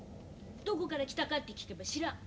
「どこから来たか」って聞けば「知らん」。